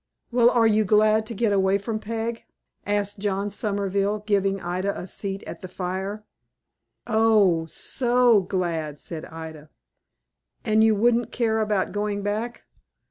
"Well, are you glad to get away from Peg?" asked John Somerville, giving Ida a seat at the fire. "Oh, so glad!" said Ida. "And you wouldn't care about going back?"